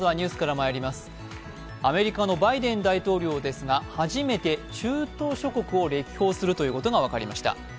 アメリカのバイデン大統領ですが初めて中東諸国を歴訪するということが分かりました。